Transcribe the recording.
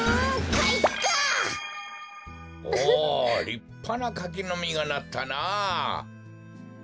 りっぱなかきのみがなったな。